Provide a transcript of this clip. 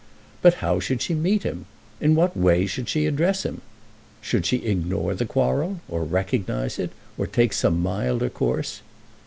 But how should she meet him? In what way should she address him? Should she ignore the quarrel, or recognize it, or take some milder course?